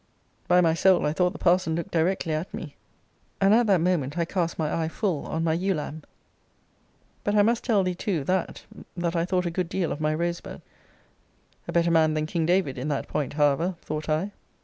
By my soul I thought the parson looked directly at me; and at that moment I cast my eye full on my ewe lamb. But I must tell thee too, that, that I thought a good deal of my Rosebud. A better man than King David, in that point, however, thought I!